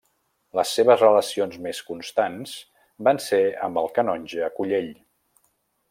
Les seves relacions més constants van ser amb el canonge Collell.